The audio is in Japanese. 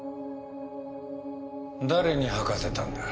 誰に吐かせたんだ？